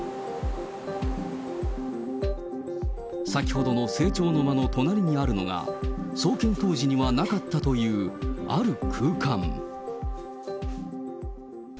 先ほどの正庁の間の隣にあるのが、創建当時にはなかったというある空間。